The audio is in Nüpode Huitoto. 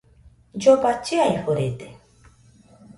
Lloba chiaforede